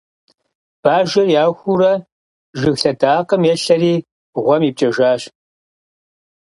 Бажэр яхуурэ, жыг лъэдакъэм елъэри гъуэм ипкӀэжащ.